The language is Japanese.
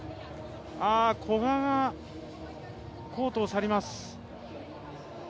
古賀がコートを去ります。